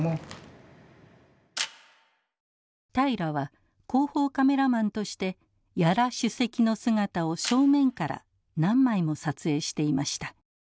平良は広報カメラマンとして屋良主席の姿を正面から何枚も撮影していました。